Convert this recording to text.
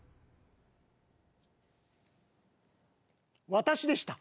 私でした。